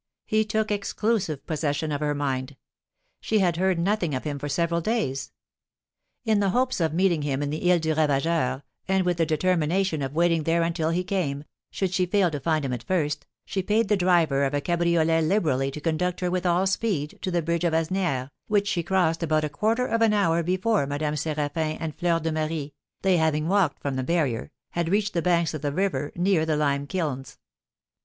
He took exclusive possession of her mind; she had heard nothing of him for several days. In the hopes of meeting with him in the Isle du Ravageur, and with the determination of waiting there until he came, should she fail to find him at first, she paid the driver of a cabriolet liberally to conduct her with all speed to the bridge of Asnières, which she crossed about a quarter of an hour before Madame Séraphin and Fleur de Marie (they having walked from the barrier) had reached the banks of the river near the lime kilns.